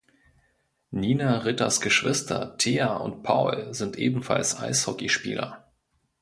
Nina Ritters Geschwister Thea und Paul sind ebenfalls Eishockeyspieler.